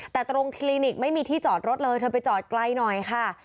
แต่ตรงคลินิกไม่มีที่จอดรถเลยเธอไปจอดไกลหน่อยค่ะ